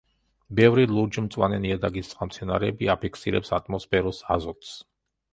ბევრი ლურჯ-მწვანე ნიადაგის წყალმცენარეები აფიქსირებს ატმოსფეროს აზოტს.